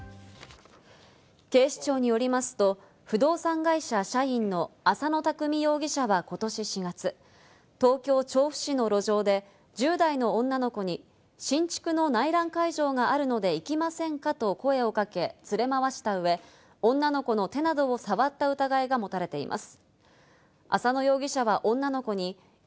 警視庁によりますと、不動産会社社員の浅野拓未容疑者はことし４月、東京・調布市の路上で１０代の女の子に、新築の内覧会場があるので行きませんかと声をかけ、連れ回した上、女の子の手などを触った疑いが持たれています。